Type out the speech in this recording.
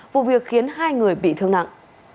vụ việc khiến hai người bị thương nặng